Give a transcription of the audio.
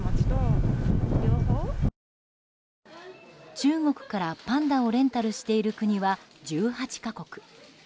中国からパンダをレンタルしている国は１８か国。